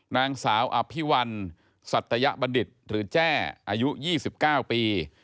นางสาวอภิวัณฑ์สัตยบรรดิษฐ์หรือแจ้อายุ๒๙ปี